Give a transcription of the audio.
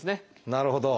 なるほど。